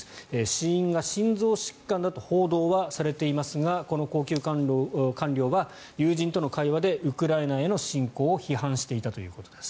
死因が心臓疾患だと報道はされていますがこの高級官僚は友人との会話でウクライナへの侵攻を批判していたということです。